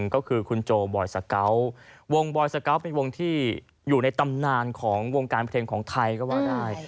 ก็คือคุณโจบอยสเกาะวงบอยสเกาะเป็นวงที่อยู่ในตำนานของวงการเพลงของไทยก็ว่าได้